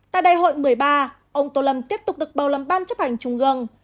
tại đại hội một mươi ba ông tô lâm tiếp tục được bầu lâm ban chấp hành trung gương